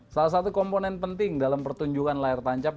salah satu komponen penting dalam pertunjukan layar tancap